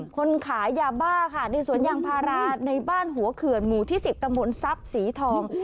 คนขายยาบ้าค่ะในสวนยางพาราในบ้านหัวเขื่อนหมู่ที่๑๐ตำบลทรัพย์สีทอง